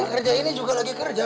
kerja ini juga lagi kerja